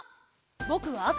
ぼくはあか。